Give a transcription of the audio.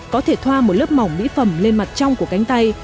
có thể thoa một lớp mỏng mỹ phẩm lên mặt trong của cánh tay